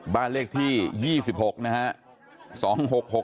บ้านเลขที่๒๖นะฮะ